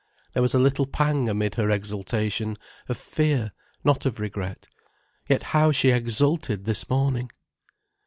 There was a little pang amid her exultation, of fear, not of regret. Yet how she exulted this morning!